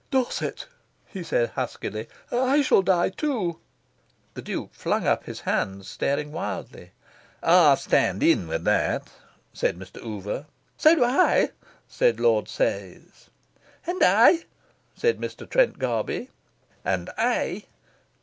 "Dorset," he said huskily, "I shall die too." The Duke flung up his hands, staring wildly. "I stand in with that," said Mr. Oover. "So do I!" said Lord Sayes. "And I!" said Mr. Trent Garby; "And I!"